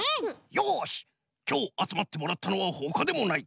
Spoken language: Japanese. よしきょうあつまってもらったのはほかでもない。